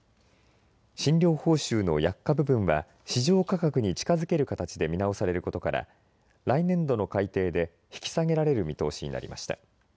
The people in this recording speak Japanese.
診療報酬の薬価部分は市場価格に近づける形で見直されることから来年度の改定で引き下げられる見通しになりました。